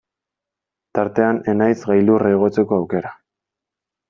Tartean Enaitz gailurra igotzeko aukera.